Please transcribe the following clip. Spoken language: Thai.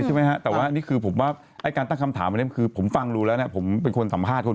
นี่นั่นใช่ไหมครับแต่การตั้งคำถามคือผมฟังโหลูกแล้วผมเป็นคนสัมภาษณ์